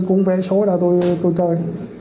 tôi cũng vẽ số ra tôi chơi